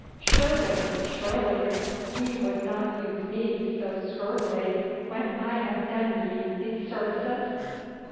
Surely, surely, ye would not use me so scurvily when I have done ye these services?